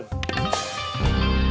saya mau nunggu